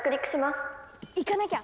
行かなきゃ！